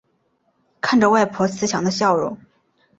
看着外婆慈祥的笑容